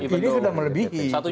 ini sudah melebihi